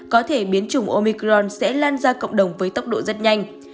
có thể biến chủng omicron sẽ lan ra cộng đồng với tốc độ rất nhanh